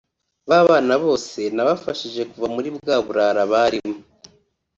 Ba bana bose nabafashije kuva muri bwa burara barimo